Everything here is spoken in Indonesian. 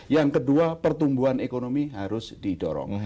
yang kedua pertumbuhan ekonomi harus didorong